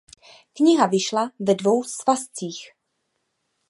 Kniha vyšla ve dvou svazcích.